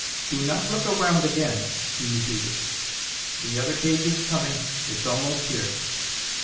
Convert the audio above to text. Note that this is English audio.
"Do not look around again," he repeated. "The other cage is coming; it's almost here."